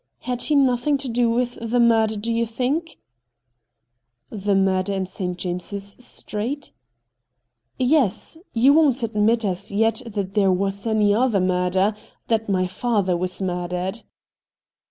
Had he nothing to do with the murder, do you think ?'' The murder in St. James's Street ?'* Yes — you won't admit, as yet, that there was any other murder — that my father was murdered.'